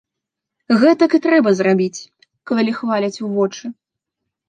Гэтак і трэба зрабіць, калі хваляць у вочы.